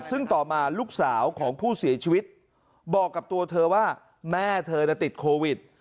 ซึ่งต่อมาลูกสาวของผู้เสียชีวิตบอกกับตัวเธอว่าแม่เธอติดโควิด